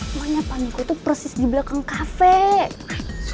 pokoknya paniko itu persis di belakang kafe